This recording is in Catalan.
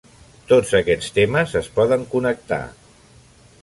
Tots aquests temes es poden connectar.